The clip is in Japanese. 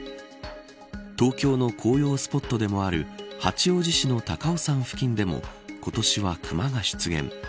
東京の紅葉スポットでもある八王子市の高尾山付近でも今年はクマが出現。